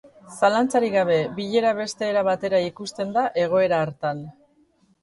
Zalantzarik gabe, bilera beste era batera ikusten da egoera hartan.